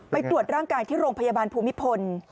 ตรวจร่างกายที่โรงพยาบาลภูมิพล